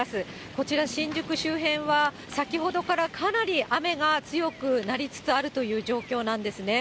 こちら、新宿周辺は先ほどからかなり雨が強くなりつつあるという状況なんですね。